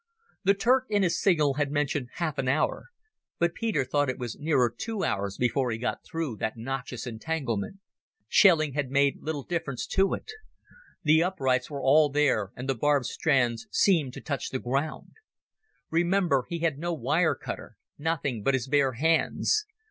The Turk in his signal had mentioned half an hour, but Peter thought it was nearer two hours before he got through that noxious entanglement. Shelling had made little difference to it. The uprights were all there, and the barbed strands seemed to touch the ground. Remember, he had no wire cutter; nothing but his bare hands.